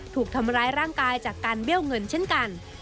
ถูกทำร้ายร่างกายจากการเบี้ยวเงินเช่นกัน